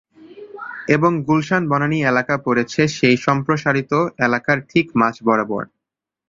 এবং গুলশান বনানী এলাকা পড়েছে সেই সম্প্রসারিত এলাকার ঠিক মাঝ বরাবর।